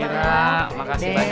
mera makasih banyak ya